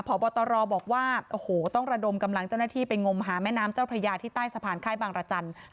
พบตรบอกว่าโอ้โหต้องระดมกำลังเจ้าหน้าที่ไปงมหาแม่น้ำเจ้าพระยาที่ใต้สะพานค่ายบางรจันทร์